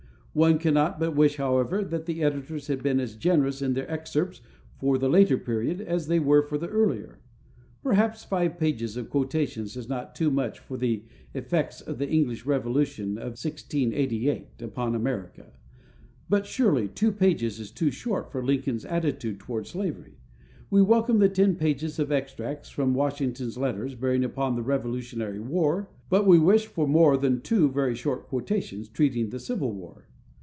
One cannot but wish, however, that the editors had been as generous in their excerpts for the later period as they were for the earlier; perhaps five pages of quotations is not too much for the "Effects of the English Revolution of 1688" upon America, but surely two pages is too short for Lincoln's attitude toward slavery; we welcome the ten pages of extracts from Washington's letters bearing upon the Revolutionary War, but we wish for more than two very short quotations treating of the Civil War.